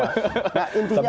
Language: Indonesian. nah intinya apa